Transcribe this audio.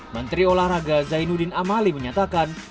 menteri olahraga zainuddin amali menyatakan